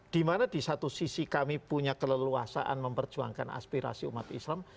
dimana di satu sisi kami punya keleluasaan memperjuangkan aspirasi umat islam